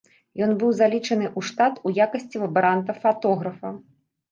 Ён быў залічаны ў штат у якасці лабаранта-фатографа.